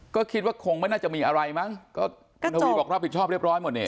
ก็คิดว่าคงไม่น่าจะมีอะไรมั้งก็คุณทวีบอกรับผิดชอบเรียบร้อยหมดเนี่ย